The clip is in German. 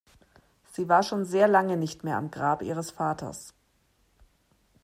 Sie war schon sehr lange nicht mehr am Grab ihres Vaters.